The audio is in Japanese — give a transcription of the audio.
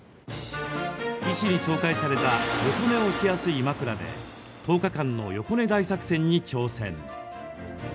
医師に紹介された横寝をしやすい枕で１０日間の横寝大作戦に挑戦。